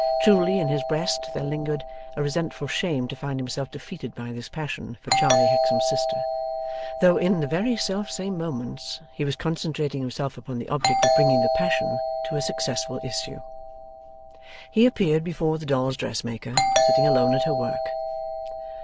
Truly, in his breast there lingered a resentful shame to find himself defeated by this passion for Charley Hexam's sister, though in the very self same moments he was concentrating himself upon the object of bringing the passion to a successful issue. He appeared before the dolls' dressmaker, sitting alone at her work.